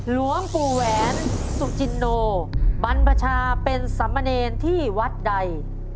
หลวงปู่แหวนสุจินโนบรรพชาเป็นสมเนรที่วัดใด